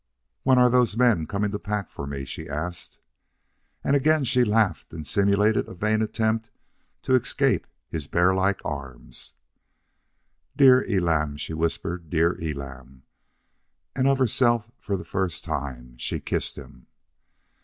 "When are those men coming to pack for me?" she asked. And again she laughed and simulated a vain attempt to escape his bearlike arms. "Dear Elam," she whispered; "dear Elam." And of herself, for the first time, she kissed him.